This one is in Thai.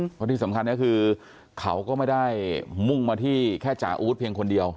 เพราะที่สำคัญก็คือเขาก็ไม่ได้มุ่งมาที่แค่จ่าอาวุธเพียงคนเดียว